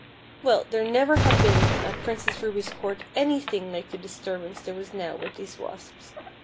Well, there never had been af Princess Ruby's court anything like the disturbance there was now with these wasps.